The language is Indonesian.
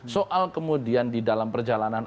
soal kemudian di dalam perjalanan